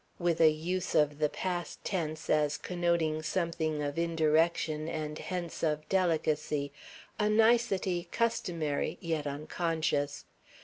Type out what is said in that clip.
with a use of the past tense as connoting something of indirection and hence of delicacy a nicety customary, yet unconscious.